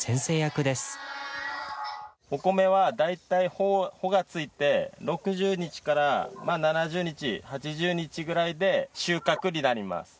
お米は大体穂がついて６０日から７０日８０日ぐらいで収穫になります。